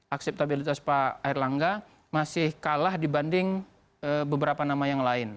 akseptabilitas pak erlangga masih kalah dibanding beberapa nama yang lain